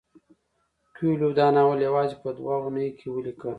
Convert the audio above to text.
کویلیو دا ناول یوازې په دوه اونیو کې ولیکه.